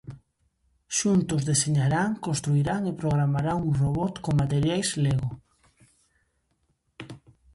Xuntos, deseñarán, construirán e programarán un robot con materiais Lego.